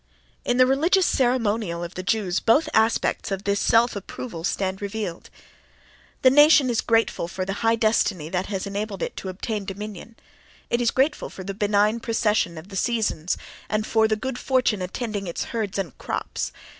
In the religious ceremonial of the Jews both aspects of this self approval stand revealed. The nation is grateful for the high destiny that has enabled it to obtain dominion; it is grateful for the benign procession of the seasons, and for the good fortune attending its herds and its crops.